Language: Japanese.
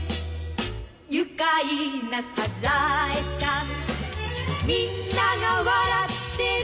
「愉快なサザエさん」「みんなが笑ってる」